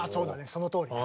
そのとおりだ。